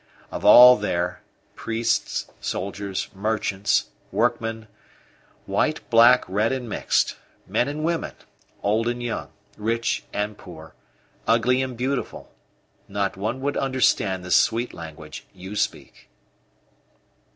Of all there priests, soldiers, merchants, workmen, white, black, red, and mixed; men and women, old and young, rich and poor, ugly and beautiful not one would understand the sweet language you speak."